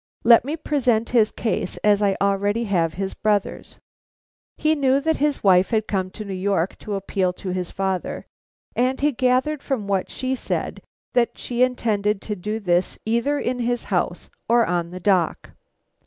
Let me present his case as I already have his brother's. He knew that his wife had come to New York to appeal to his father, and he gathered from what she said that she intended to do this either in his house or on the dock.